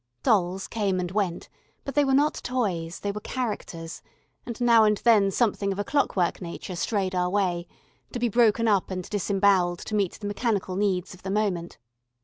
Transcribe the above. Dolls came and went, but they were not toys, they were characters, and now and then something of a clockwork nature strayed our way to be broken up and disembowelled to meet the mechanical needs of the moment.